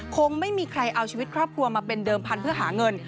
คงไม่มีใครเอาชีวิตครอบครัวมาเป็นเดิมพันธุ์เพื่อหาเงิน